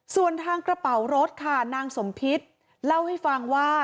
ส่วนทางกระเป๋ารถค่ะนางสมพิษเล่าให้ฟังว่า